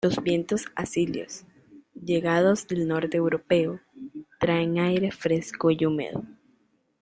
Los vientos alisios —llegados del norte europeo— traen aire fresco y húmedo.